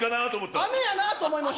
雨やなと思いました。